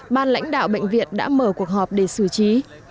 ban lãnh đạo bệnh viện đã mở cuộc họp để xử trí